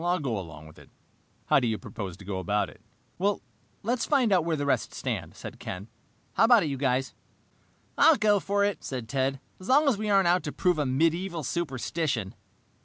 "I'll go along with that. How do you propose to go about it?" "Let's find out where the rest stand," said Ken. "How about it, you guys?" "I'll go for it," said Ted, "as long as we aren't out to prove a medieval superstition."